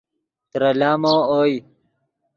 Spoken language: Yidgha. ترے لامو اوئے